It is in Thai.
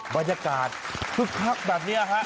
บรรยากาศแค่ตรงเเพลยแบญเนี่ย